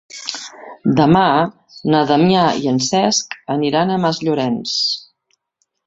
Demà na Damià i en Cesc aniran a Masllorenç.